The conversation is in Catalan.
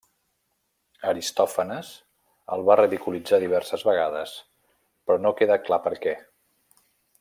Aristòfanes el va ridiculitzar diverses vegades però no queda clar per què.